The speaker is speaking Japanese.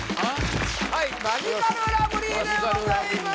はいマヂカルラブリーでございます